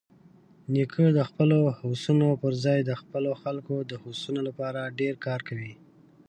نیکه د خپلو هوسونو پرځای د خپلو خلکو د هوسونو لپاره ډېر کار کوي.